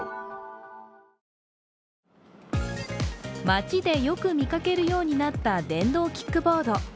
街でよく見かけるようになった電動キックボード。